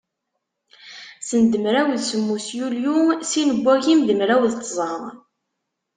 Send mraw d semmus yulyu sin n wagimen d mraw d tẓa.